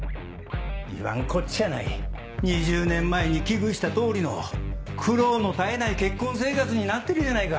言わんこっちゃない２０年前に危惧した通りの苦労の絶えない結婚生活になってるじゃないか。